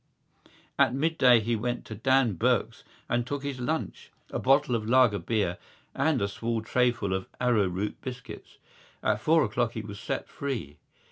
At midday he went to Dan Burke's and took his lunch—a bottle of lager beer and a small trayful of arrowroot biscuits. At four o'clock he was set free.